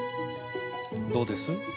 どうです？